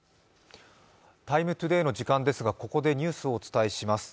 「ＴＩＭＥ，ＴＯＤＡＹ」の時間ですが、ここでニュースをお伝えします。